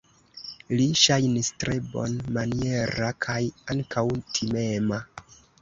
Li ŝajnis tre bonmaniera kaj ankaŭ timema.